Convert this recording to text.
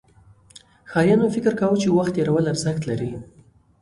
ښکاریانو فکر کاوه، چې وخت تېرول ارزښت لري.